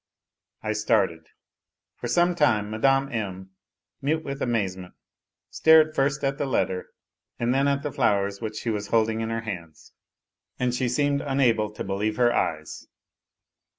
I started. For some time Mme. M., mute with amazement, stared first at the letter and then at the flowers which she was holding in her hands, and she seemed unable to believe her eyes.